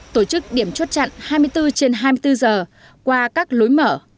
tổ chức điểm chốt chặn hai mươi bốn trên hai mươi bốn giờ qua các lối mở